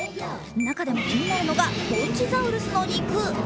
中でも気になるのがぼんちザウルスの肉。